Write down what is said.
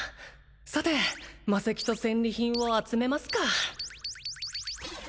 さて魔石と戦利品を集めますか